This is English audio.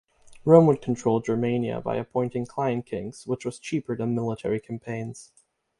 Rome would control Germania by appointing client kings, which was cheaper than military campaigns.